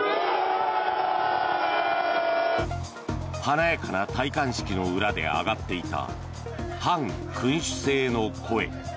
華やかな戴冠式の裏で上がっていた反君主制の声。